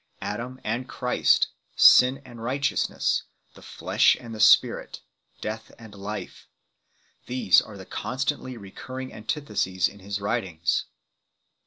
Adam and Christ, sin and righteousness, the flesh and the spirit, death and life these are the constantly recurring antitheses in his writings.